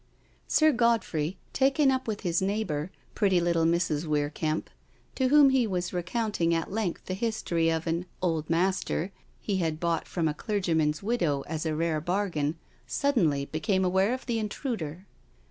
Sir Godfrey, taken up with his neighbour, pretty little Mrs. Weir Kemp, to whom he was recounting at length the history of an " Old Master " he had bought from a clergyman's widow as a rare bargain, suddenly became aware of the intruder.